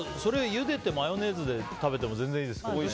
ゆでてマヨネーズで食べても全然いいですけど。